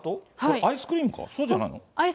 アイスクリームか、そうじゃないの？